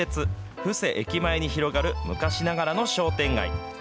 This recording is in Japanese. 近鉄布施駅前に広がる昔ながらの商店街。